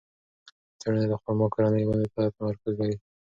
څېړنه د خورما کورنۍ ونو ته تمرکز لري.